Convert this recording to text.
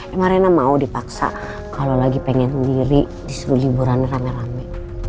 emang rena mau dipaksa kalau lagi pengen sendiri di seluruh liburan rame rame